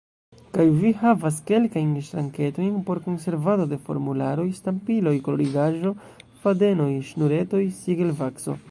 Kaj vi havas kelkajn ŝranketojn por konservado de formularoj, stampiloj, kolorigaĵo, fadenoj, ŝnuretoj, sigelvakso.